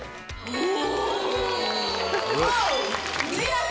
お！